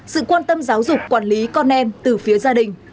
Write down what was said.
sự quan tâm giáo dục quản lý con em từ phía gia đình